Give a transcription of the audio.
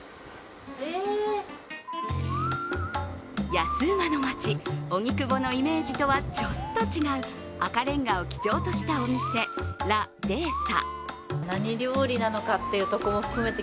安ウマの街・荻窪のイメージとはちょっと違う赤レンガを基調としたお店、ラ・デエサ。